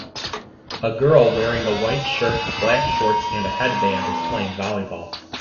A girl wearing a white shirt, black shorts, and a headband is playing volleyball.